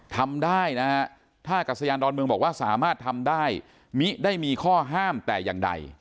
ทำได้นะฮะท่ากัศยานดอนเมืองบอกว่าสามารถทำได้มิได้มีข้อห้ามแต่อย่างใด